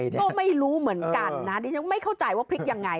ก็ไม่รู้เหมือนกันนะดิฉันไม่เข้าใจว่าพลิกยังไง